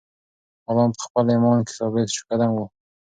غلام په خپل ایمان کې ثابت قدم و.